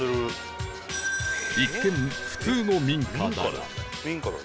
一見普通の民家だが